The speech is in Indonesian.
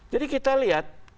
jadi kita lihat